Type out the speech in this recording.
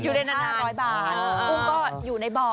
กุ้งก็อยู่ในบ่อ